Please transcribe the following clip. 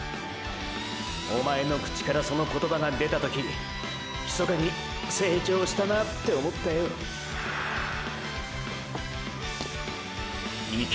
おまえのクチからその言葉が出た時秘かに“成長したなァ”って思ったヨいけ